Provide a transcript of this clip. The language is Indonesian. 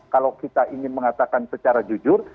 kalau kita ingin mengatakan secara jujur